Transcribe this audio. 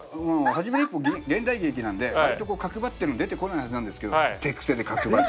『はじめの一歩』現代劇なんで割と角張ってるの出てこないはずなんですけど手癖で角張って。